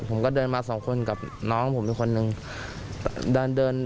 ผมก็เดินมา๒คนกับน้องกับผมหนึ่งคนหนึ่ง